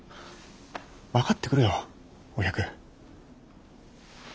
分かってくれよお百。